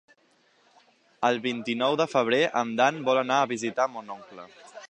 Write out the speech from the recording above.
El vint-i-nou de febrer en Dan vol anar a visitar mon oncle.